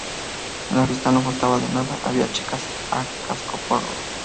En la fiesta no faltaba de nada, había chicas a cascoporro